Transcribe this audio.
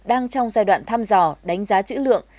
đang trong giai đoạn thăm dò đánh giá chữ lượng